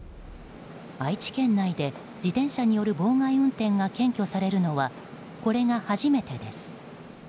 愛知県内で自転車による妨害運転が検挙されるのはこれが初めてです。